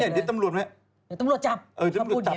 อย่าทิ้งทำรวจมานะอย่าทิ้งทำรวจจับ